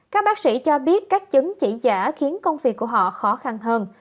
các bác sĩ cho biết các chứng chỉ giả khiến công việc của họ khó khăn hơn